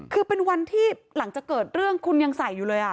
คือเป็นวันที่หลังจากเกิดเรื่องคุณยังใส่อยู่เลย